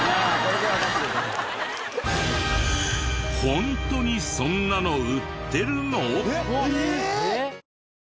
ホントにそんなの売ってるの？